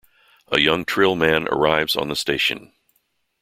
A young Trill man arrives on the station.